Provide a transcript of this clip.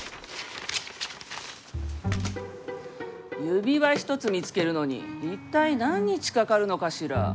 指輪一つ見つけるのに一体何日かかるのかしら。